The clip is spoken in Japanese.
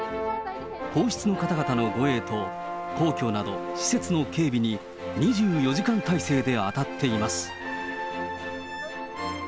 皇室の方々の護衛と皇居など施設の警備に２４時間態勢で当たっています。